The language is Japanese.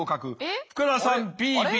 福田さんＢＢ。